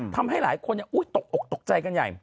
ทำให้หลายคนตกอกตกใจกันใหญ่